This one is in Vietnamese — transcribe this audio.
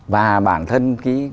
và bản thân